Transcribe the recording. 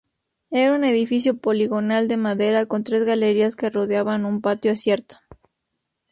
Era un edificio poligonal de madera con tres galerías que rodeaban un patio acierto.